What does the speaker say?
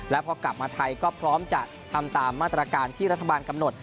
แล้วพอกลับมาไทยก็พร้อมจะทำตามมาตรการที่รัฐบาลกำหนด